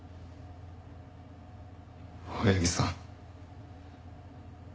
青柳さん。